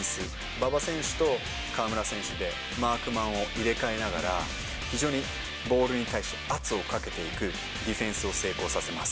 馬場選手と河村選手でマークマンを入れ替えながら、非常にボールに対して圧をかけていく、ディフェンスを成功させます。